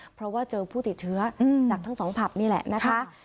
เพราะว่าเจอผู้ติดเชื้อจากทั้งสองผับนี่แหละนะคะ